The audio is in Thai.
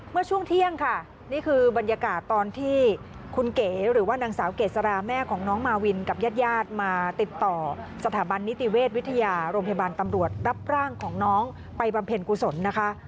เมื่อช่วงเที่ยงค่ะนี่คือบรรยากาศตอนที่คุณเก๋หรือว่านางสาวเกษราแม่ของน้องมาวินกับญาติญาติมาติดต่อสถาบันนิติเวชวิทยาโรงพยาบาลตำรวจรับร่างของน้องไปบำเพ็ญกุศลนะคะ